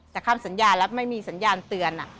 แต่ข้ามสัญญาแล้วไม่มีสัญญาณเตือน